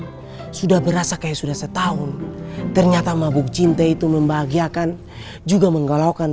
yang sudah berasa kayak sudah setahun ternyata mabuk cinta itu membahagiakan juga menggolakan